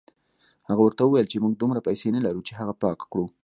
هغه ورته وویل چې موږ دومره پیسې نه لرو چې هغه پاکه کړو.